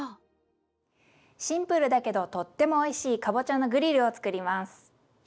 シンプルだけどとってもおいしいかぼちゃのグリルを作ります。